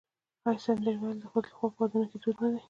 آیا سندرې ویل د ښځو لخوا په ودونو کې دود نه دی؟